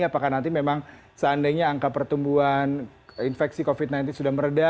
apakah nanti memang seandainya angka pertumbuhan infeksi covid sembilan belas sudah meredah